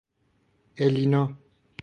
اِلینا